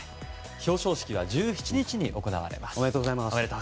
表彰式は１７日に行われます。